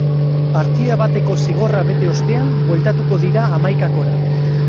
Partida bateko zigorra bete ostean bueltatuko dira hamaikakora.